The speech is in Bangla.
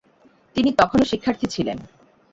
তিনি তখনও শিক্ষার্থী ছিলেন।